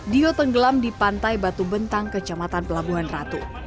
dio tenggelam di pantai batu bentang kecamatan pelabuhan ratu